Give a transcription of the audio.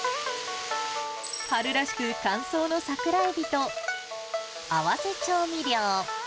春らしく、乾燥の桜エビと合わせ調味料。